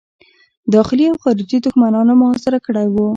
داخلي او خارجي دښمنانو محاصره کړی وو.